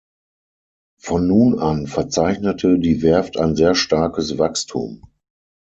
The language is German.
Von nun an verzeichnete die Werft ein sehr starkes Wachstum.